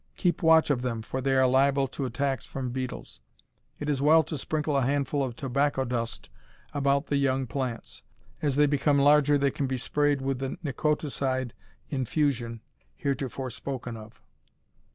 Keep watch of them, for they are liable to attacks from beetles. It is well to sprinkle a handful of tobacco dust about the young plants. As they become larger they can be sprayed with the Nicoticide infusion heretofore spoken of.